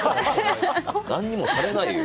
何もされないよ。